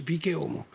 ＰＫＯも。